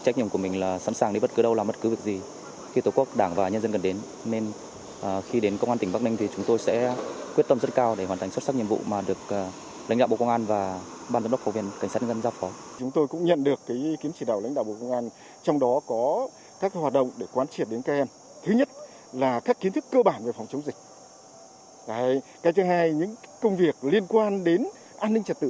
thứ nhất là các kiến thức cơ bản về phòng chống dịch cái thứ hai là những công việc liên quan đến an ninh trật tự